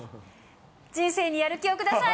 人生にやる気をください。